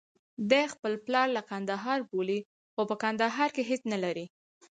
دی خپل پلار له کندهار بولي، خو په کندهار کې هېڅ نلري.